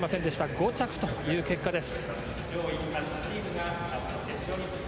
５着という結果です。